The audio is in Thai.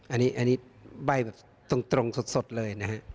อันนี้ใบแบบตรงสดเลยนะฮะ